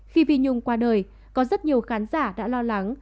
khi vi nhung qua đời có rất nhiều khán giả đã lo lắng